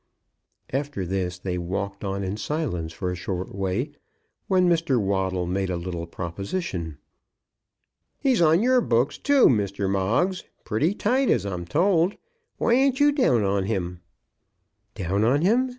After this they walked on in silence for a short way, when Mr. Waddle made a little proposition. "He's on your books, too, Mr. Moggs, pretty tight, as I'm told. Why ain't you down on him?" "Down on him?"